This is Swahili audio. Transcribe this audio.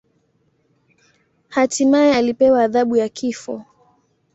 Hatimaye alipewa adhabu ya kifo.